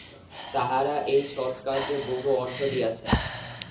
তাঁহারা এই সৎকার্যে বহু অর্থ দিয়াছেন।